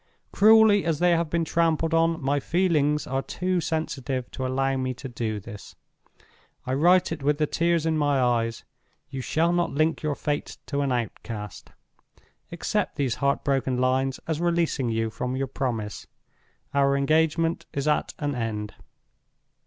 Cruelly as they have been trampled on, my feelings are too sensitive to allow me to do this. I write it with the tears in my eyes—you shall not link your fate to an outcast. Accept these heart broken lines as releasing you from your promise. Our engagement is at an end.